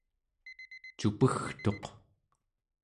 cupegtuq